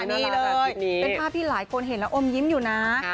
นี่เลยเป็นภาพที่หลายคนเห็นแล้วอมยิ้มอยู่นะ